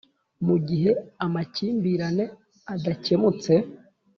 Mu gihe amakimbirane adakemutse